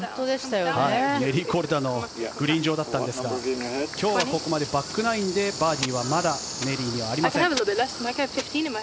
ネリー・コルダのグリーン上だったんですが今日はここまでバックナインでバーディーはまだネリー・コルダにはありません。